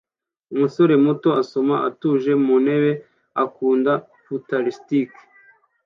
Umusore muto asoma atuje mu ntebe akunda futuristic